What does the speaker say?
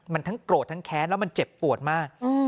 มันทั้งโกรธทั้งแค้นแล้วมันเจ็บปวดมาก